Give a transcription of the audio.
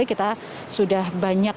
jadi kita sudah banyak